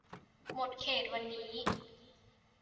หมดเขตวันนี้